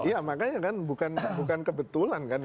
iya makanya kan bukan kebetulan kan